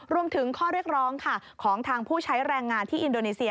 รวมถึงข้อเรียกร้องค่ะของทางผู้ใช้แรงงานที่อินโดนีเซีย